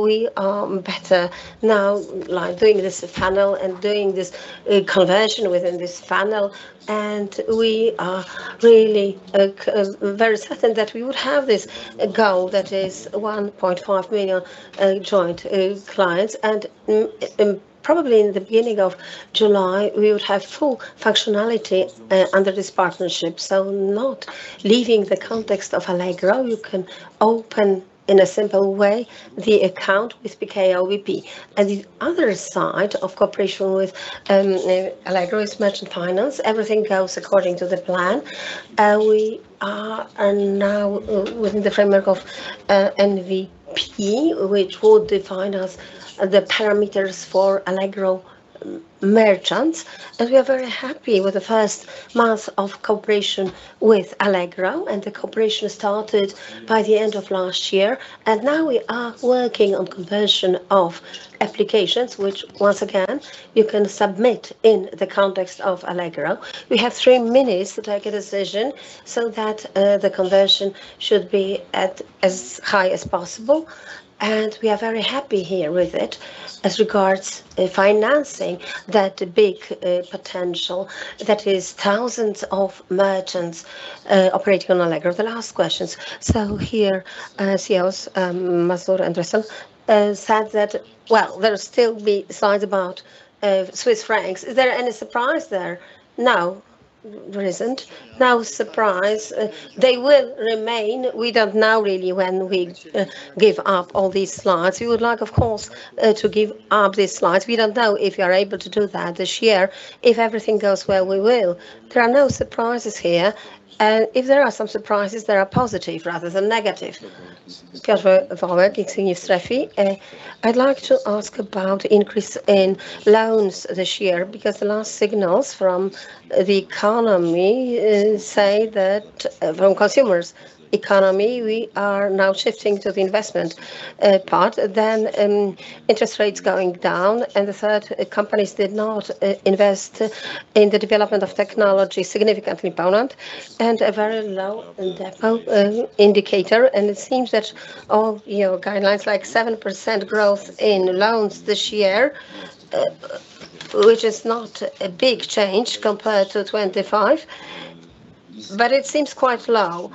We are better now, like doing this funnel and doing this conversion within this funnel, and we are really very certain that we would have this goal that is 1.5 million joint clients. Probably in the beginning of July, we would have full functionality under this partnership. Not leaving the context of Allegro, you can open in a simple way the account with PKO BP. The other side of cooperation with Allegro is merchant finance. Everything goes according to the plan. We are now within the framework of MVP, which would define us the parameters for Allegro Merchants, and we are very happy with the first month of cooperation with Allegro, and the cooperation started by the end of last year. Now we are working on conversion of applications, which once again, you can submit in the context of Allegro. We have three minutes to take a decision so that the conversion should be as high as possible, and we are very happy here with it. As regards in financing that big potential, that is thousands of merchants operating on Allegro. The last questions. Here CEOs Mazur and Dresler said that, well, there'll still be slides about Swiss francs. Is there any surprise there? No. There isn't. No surprise. They will remain. We don't know really when we give up all these slides. We would like, of course, to give up these slides. We don't know if we are able to do that this year. If everything goes well, we will. There are no surprises here, and if there are some surprises, they are positive rather than negative. I'd like to ask about increase in loans this year because the last signals from the economy say that from consumers' economy, we are now shifting to the investment part, then interest rates going down. The third, companies did not invest in the development of technology significantly in Poland, and a very low indicator. It seems that all, you know, guidelines like 7% growth in loans this year, which is not a big change compared to 25, but it seems quite low.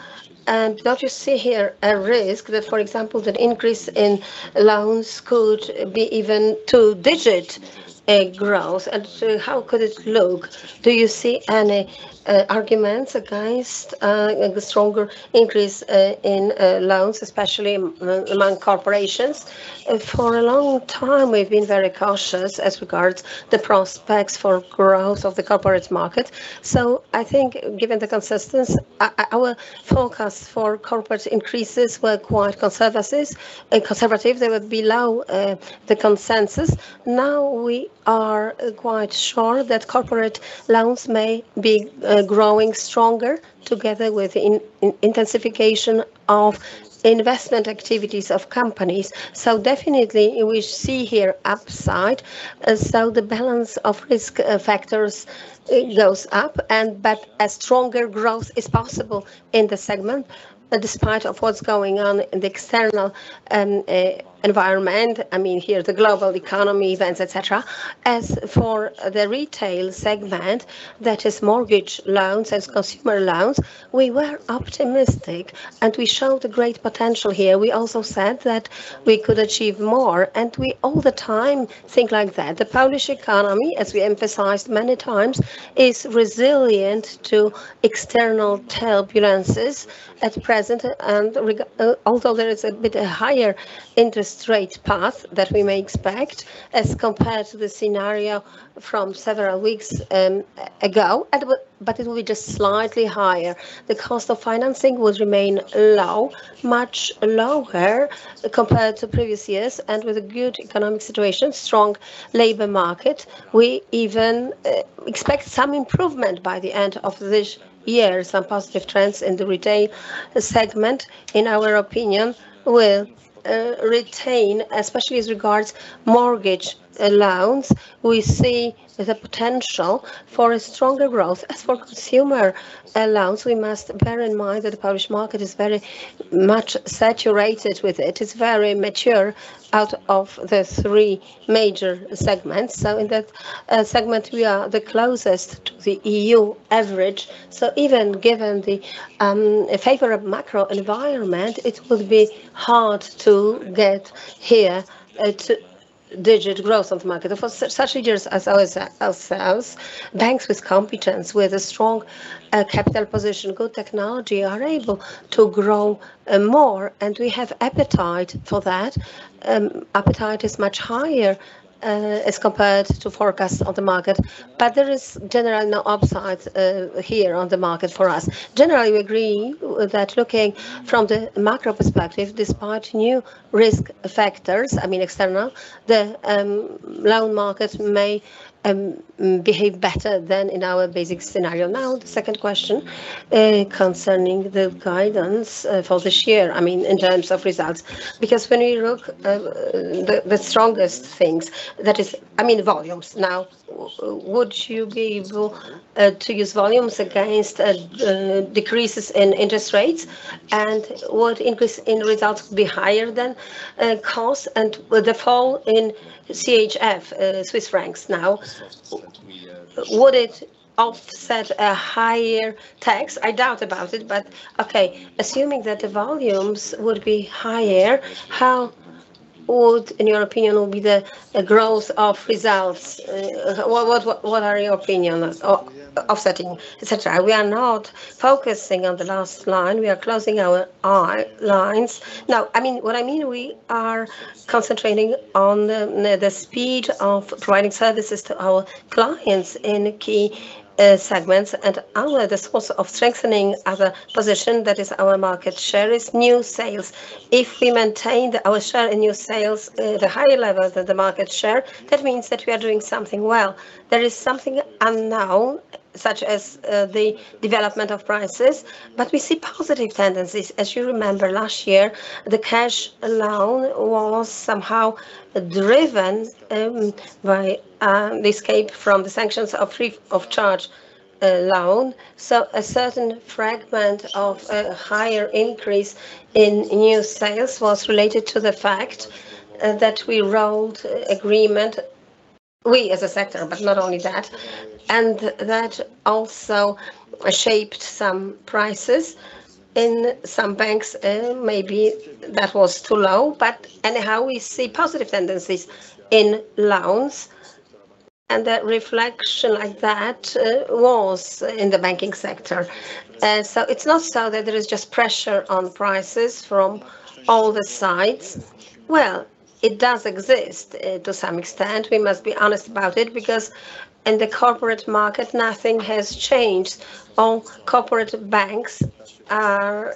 Don't you see here a risk that, for example, an increase in loans could be even two-digit growth? How could it look? Do you see any arguments against the stronger increase in loans, especially among corporations? For a long time, we've been very cautious as regards the prospects for growth of the corporate market. I think given the consistency, our forecast for corporate increases were quite conservative. They were below the consensus. Now we are quite sure that corporate loans may be growing stronger together with intensification of investment activities of companies. Definitely we see here upside. The balance of risk factors goes up, but a stronger growth is possible in the segment despite of what's going on in the external environment, I mean here, the global economy events, et cetera. As for the retail segment, that is mortgage loans, as consumer loans, we were optimistic, and we showed a great potential here. We also said that we could achieve more, and we all the time think like that. The Polish economy, as we emphasized many times, is resilient to external turbulences at present, although there is a bit higher interest rate path that we may expect as compared to the scenario from several weeks ago. It will be just slightly higher. The cost of financing will remain low, much lower compared to previous years. With a good economic situation, strong labor market, we even expect some improvement by the end of this year. Some positive trends in the retail segment, in our opinion, will retain, especially with regards mortgage loans. We see the potential for a stronger growth. As for consumer loans, we must bear in mind that the Polish market is very much saturated with it. It's very mature out of the three major segments. So in that segment, we are the closest to the EU average. So even given the favorable macro environment, it will be hard to get here a two-digit growth of market. Of course, such leaders as ourselves, banks with competence, with a strong capital position, good technology, are able to grow more, and we have appetite for that. Appetite is much higher as compared to forecasts on the market. There is generally no upside here on the market for us. Generally, we agree that looking from the macro perspective, despite new risk factors, I mean external, the loan markets may behave better than in our basic scenario. Now, the second question concerning the guidance for this year, I mean, in terms of results. Because when we look the strongest things, that is, I mean volumes. Now, would you be able to use volumes against decreases in interest rates? And would increase in results be higher than costs? And will the fall in CHF, Swiss francs now, would it offset a higher tax? I doubt about it, but okay. Assuming that the volumes would be higher, would, in your opinion, will be the growth of results. What are your opinion on offsetting, et cetera? We are not focusing on the last line. No, I mean we are concentrating on the speed of providing services to our clients in key segments. Another source of strengthening our position that is our market share is new sales. If we maintain our share in new sales the higher levels than the market share, that means that we are doing something well. There is something unknown, such as the development of prices, but we see positive tendencies. As you remember, last year, the cash loan was somehow driven by the escape from the sankcja kredytu darmowego. A certain fragment of a higher increase in new sales was related to the fact that we reached agreement, we as a sector, but not only that, and that also shaped some prices. In some banks, maybe that was too low, but anyhow, we see positive tendencies in loans, and that was reflected like that in the banking sector. It's not so that there is just pressure on prices from all the sides. Well, it does exist to some extent. We must be honest about it because in the corporate market, nothing has changed. All corporate banks are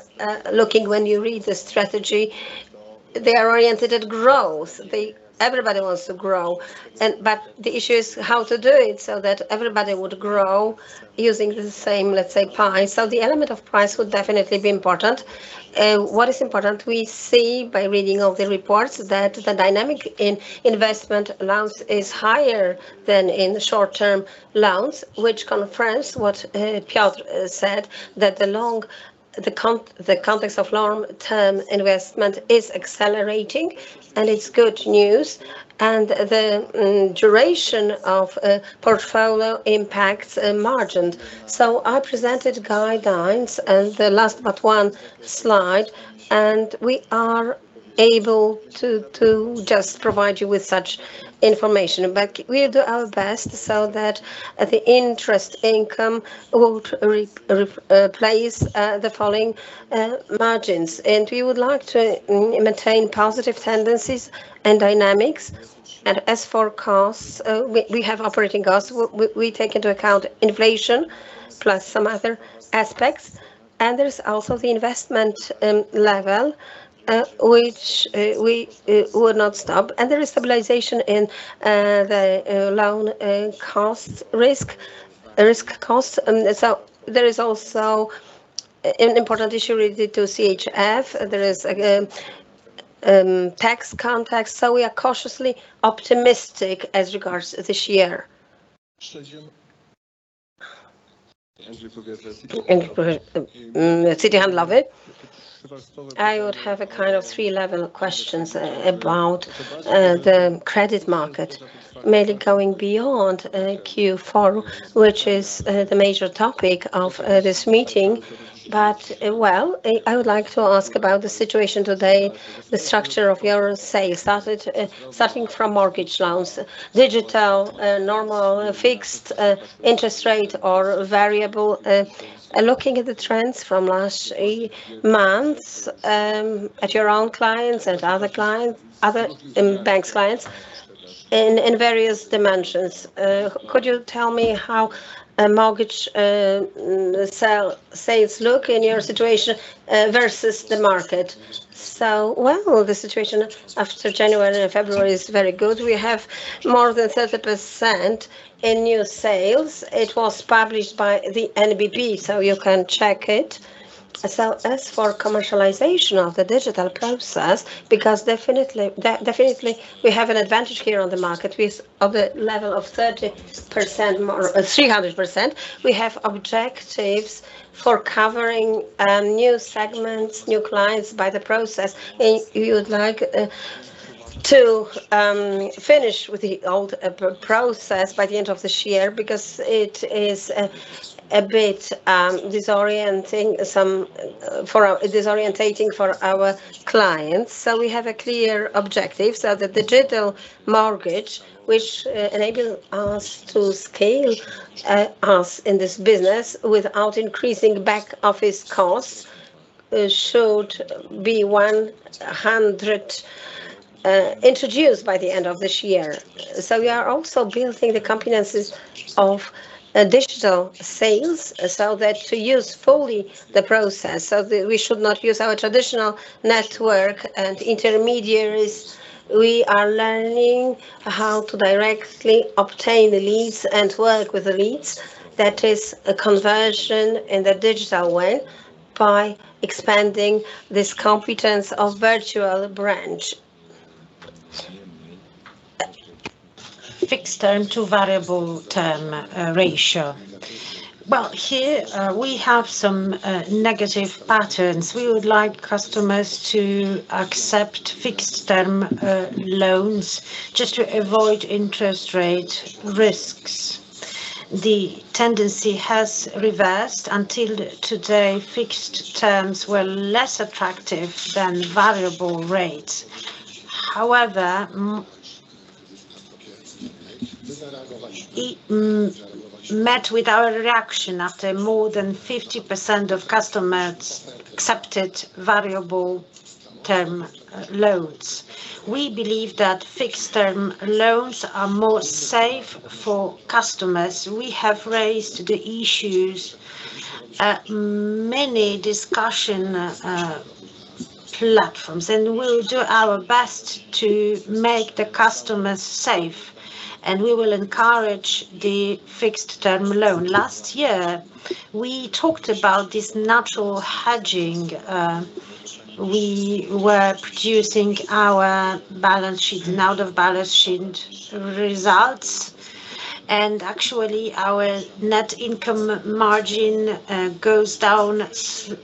looking, when you read the strategy, they are oriented at growth. Everybody wants to grow, but the issue is how to do it so that everybody would grow using the same, let's say, pie. The element of price would definitely be important. What is important, we see by reading all the reports that the dynamic in investment loans is higher than in short-term loans, which confirms what Piotr said, that the context of long-term investment is accelerating, and it's good news. The duration of a portfolio impacts margin. I presented guidelines and the last but one slide, and we are able to just provide you with such information. We'll do our best so that the interest income will replace the following margins. We would like to maintain positive tendencies and dynamics. As for costs, we take into account inflation plus some other aspects. There's also the investment level which we will not stop. There is stabilization in the cost of risk. There is also an important issue related to CHF. There is again tax context. We are cautiously optimistic as regards this year. Mm, Citi Handlowy. I would have a kind of three-level questions about the credit market, mainly going beyond Q4, which is the major topic of this meeting. Well, I would like to ask about the situation today, the structure of your sales, starting from mortgage loans, digital, normal, fixed interest rate or variable. Looking at the trends from last months, at your own clients and other clients, bank's clients in various dimensions, could you tell me how mortgage sales look in your situation versus the market? Well, the situation after January and February is very good. We have more than 30% in new sales. It was published by the NBP, so you can check it. As for commercialization of the digital process, because definitely we have an advantage here on the market with of a level of 30% more, 300%. We have objectives for covering new segments, new clients by the process. We would like to finish with the old process by the end of this year because it is a bit disorienting for our clients. We have a clear objective so that Digital Mortgage, which enable us to scale us in this business without increasing back-office costs, should be 100% introduced by the end of this year. We are also building the competencies of digital sales so that to use fully the process. We should not use our traditional network and intermediaries. We are learning how to directly obtain the leads and work with the leads. That is a conversion in the digital way by expanding this competence of virtual branch. Fixed-term to variable-term ratio. Well, here we have some negative patterns. We would like customers to accept fixed-term loans just to avoid interest rate risks. The tendency has reversed. Until today, fixed terms were less attractive than variable rates. However, it met with our reaction after more than 50% of customers accepted variable-term loans. We believe that fixed-term loans are more safe for customers. We have raised the issues at many discussion platforms, and we'll do our best to make the customers safe, and we will encourage the fixed-term loan. Last year, we talked about this natural hedging, we were producing our balance sheet and off-balance sheet results, and actually, our net interest margin goes down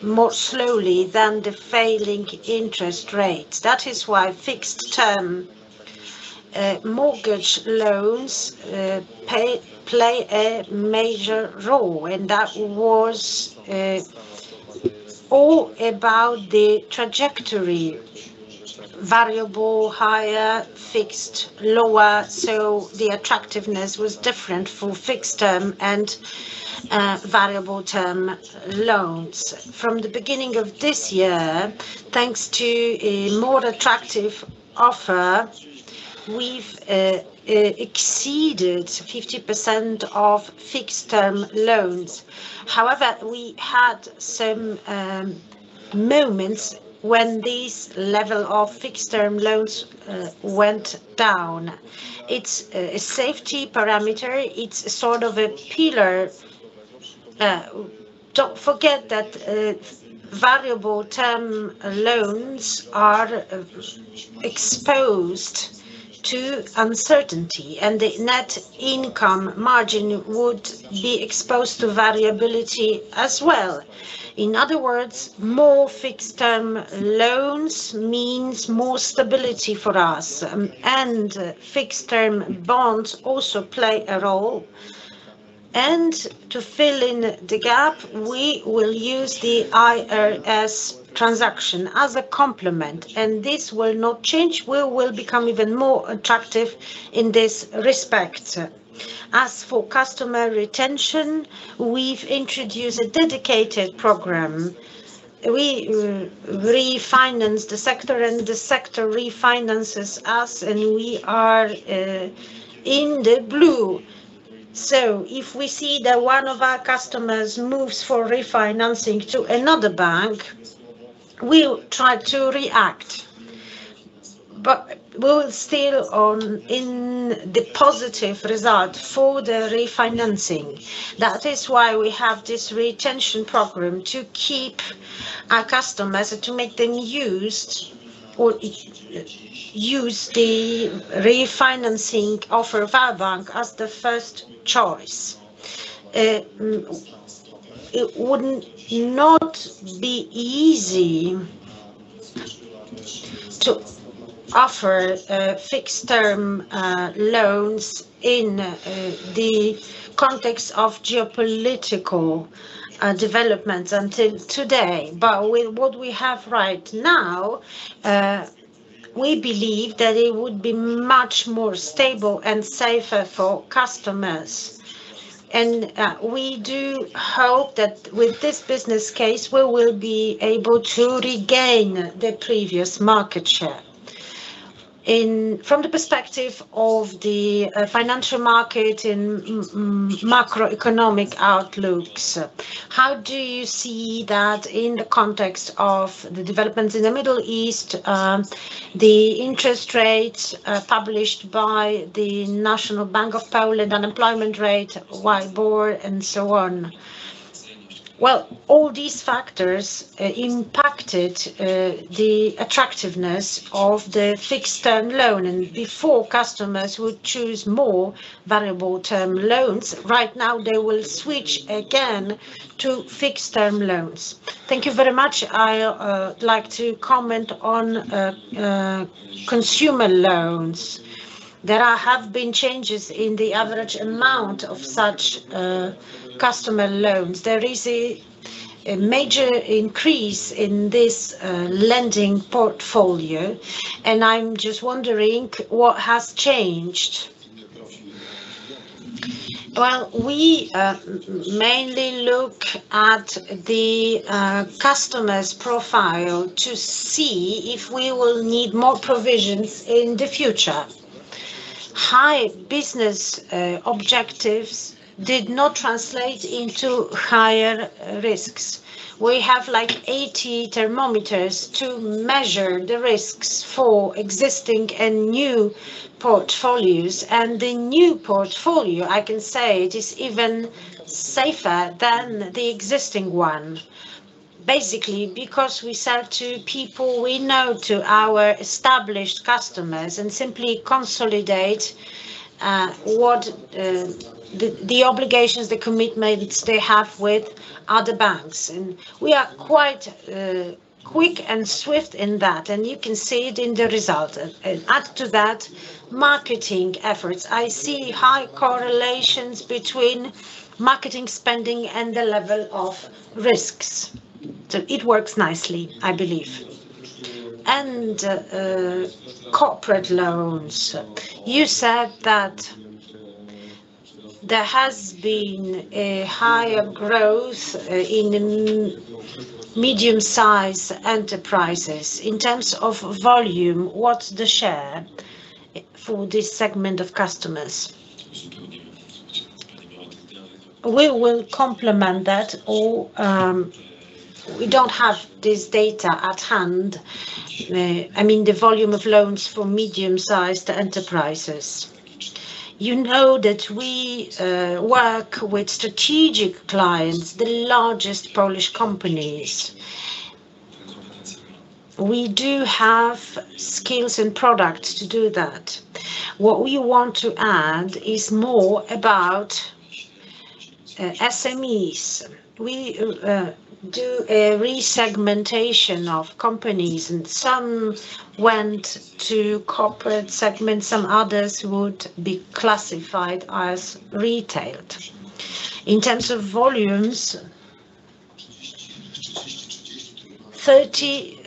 more slowly than the falling interest rates. That is why fixed-term mortgage loans play a major role, and that was all about the trajectory. Variable higher, fixed lower, so the attractiveness was different for fixed-term and variable-term loans. From the beginning of this year, thanks to a more attractive offer, we've exceeded 50% of fixed-term loans. However, we had some moments when these level of fixed-term loans went down. It's a safety parameter. It's sort of a pillar. Don't forget that variable-term loans are exposed to uncertainty, and the net interest margin would be exposed to variability as well. In other words, more fixed-term loans means more stability for us, and fixed-term bonds also play a role. To fill in the gap, we will use the IRS transaction as a complement, and this will not change. We will become even more attractive in this respect. As for customer retention, we've introduced a dedicated program. We refinance the sector, and the sector refinances us, and we are in the blue. If we see that one of our customers moves for refinancing to another bank, we'll try to react. We're still aiming for the positive result for the refinancing. That is why we have this retention program to keep our customers and to make them used to use the refinancing offer of our bank as the first choice. It wouldn't be easy to offer fixed-term loans in the context of geopolitical developments until today. With what we have right now, we believe that it would be much more stable and safer for customers. We do hope that with this business case, we will be able to regain the previous market share. From the perspective of the financial market in macroeconomic outlooks, how do you see that in the context of the developments in the Middle East, the interest rates published by the National Bank of Poland, unemployment rate, WIBOR, and so on? Well, all these factors impacted the attractiveness of the fixed-term loan and before customers would choose more variable-term loans. Right now, they will switch again to fixed-term loans. Thank you very much. I like to comment on consumer loans. There have been changes in the average amount of such customer loans. There is a major increase in this lending portfolio, and I'm just wondering what has changed. Well, we mainly look at the customer's profile to see if we will need more provisions in the future. High business objectives did not translate into higher risks. We have, like, 80 thermometers to measure the risks for existing and new portfolios. The new portfolio, I can say, it is even safer than the existing one, basically because we sell to people we know, to our established customers, and simply consolidate the obligations, the commitments they have with other banks. We are quite quick and swift in that, and you can see it in the result. Add to that, marketing efforts. I see high correlations between marketing spending and the level of risks. It works nicely, I believe. Corporate loans. You said that there has been a higher growth in medium-size enterprises. In terms of volume, what's the share for this segment of customers? We will complement that. We don't have this data at hand. I mean, the volume of loans for medium-sized enterprises. You know that we work with strategic clients, the largest Polish companies. We do have skills and products to do that. What we want to add is more about SMEs. We do a resegmentation of companies, and some went to corporate segment, some others would be classified as retail. In terms of volumes, thirty,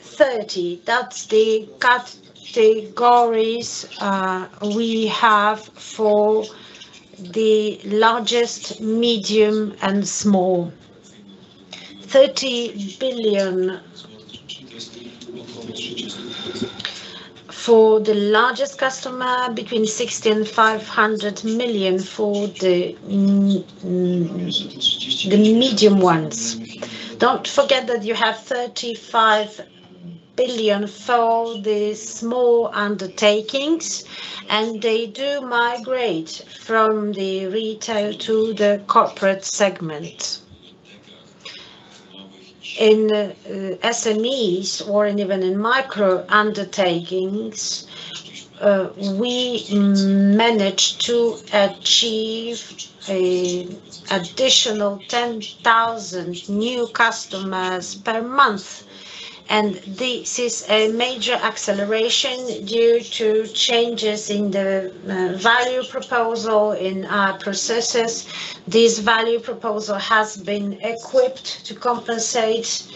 that's the categories we have for the largest, medium, and small. 30 billion for the largest customer, 60 million-500 million for the medium ones. Don't forget that you have 35 billion for the small undertakings, and they do migrate from the retail to the corporate segment. In SMEs or even in micro undertakings, we managed to achieve an additional 10,000 new customers per month, and this is a major acceleration due to changes in the value proposition in our processes. This value proposition has been equipped to compensate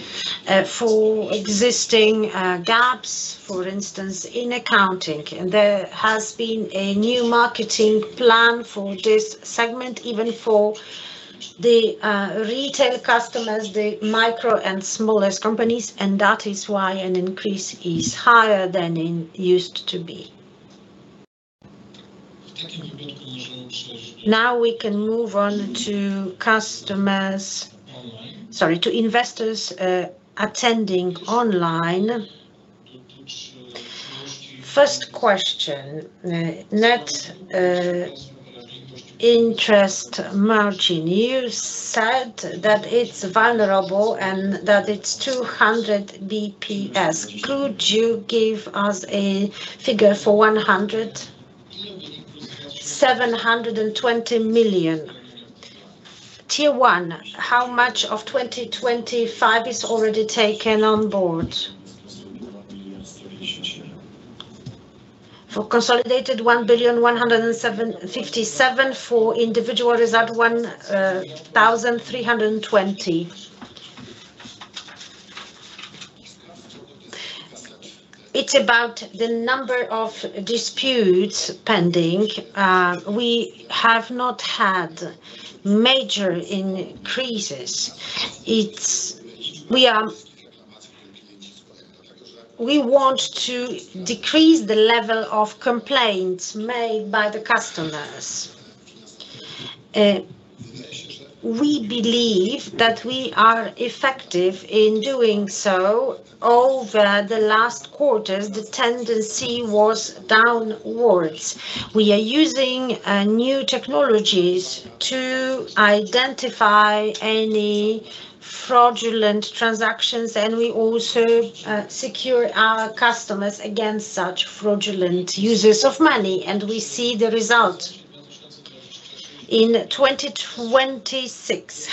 for existing gaps, for instance, in accounting. There has been a new marketing plan for this segment, even for the retail customers, the micro and smallest companies, and that is why an increase is higher than it used to be. Now we can move on to customers. Sorry, to investors attending online. First question, net interest margin, you said that it's vulnerable and that it's 200 BPS. Could you give us a figure for 100? 720 million. Tier one, how much of 2025 is already taken on board? For consolidated, 1,157. For individual, is at 1,320. It's about the number of disputes pending. We have not had major increases. We want to decrease the level of complaints made by the customers. We believe that we are effective in doing so. Over the last quarters, the tendency was downwards. We are using new technologies to identify any fraudulent transactions, and we also secure our customers against such fraudulent users of money, and we see the result. In 2026,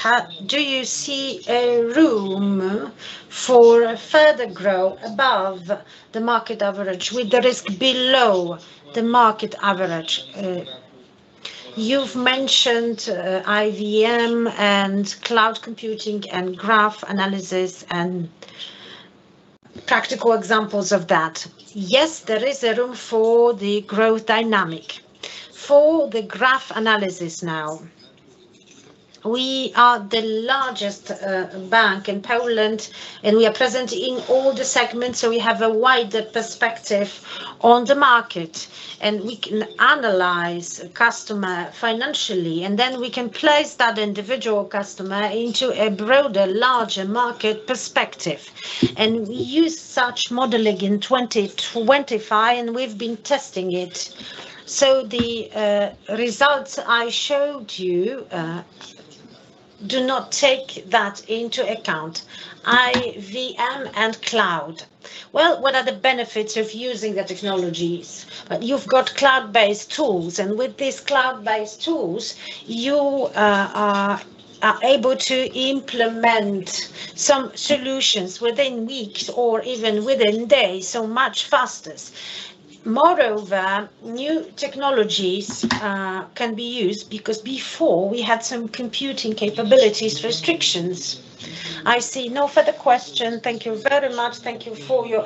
do you see a room for further growth above the market average with the risk below the market average? You've mentioned IVM and cloud computing and graph analysis and practical examples of that. Yes, there is a room for the growth dynamic. For the graph analysis now, we are the largest bank in Poland, and we are present in all the segments, so we have a wider perspective on the market. We can analyze a customer financially, and then we can place that individual customer into a broader, larger market perspective. We use such modeling in 2025, and we've been testing it. The results I showed you do not take that into account. AI and cloud. Well, what are the benefits of using the technologies? You've got cloud-based tools, and with these cloud-based tools, you are able to implement some solutions within weeks or even within days, so much faster. Moreover, new technologies can be used because before we had some computing capabilities restrictions. I see no further question. Thank you very much. Thank you for your attention.